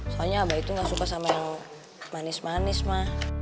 soalnya abah itu gak suka sama yang manis manis mah